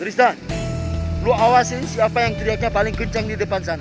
tristan lu awasin siapa yang teriaknya paling kenceng di depan sana